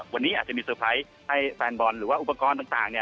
วันนี้อาจจะมีสุดสนุกให้แฟนบอลหรือว่าอุปกรณ์ต่าง